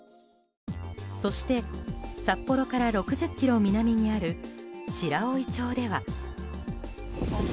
そして札幌から６０ｋｍ南にある白老町では。